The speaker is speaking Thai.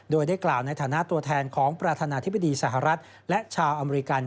โดยได้กล่าวในฐานะตัวแทนของประธานาธิบดีสหรัฐและชาวอเมริกัน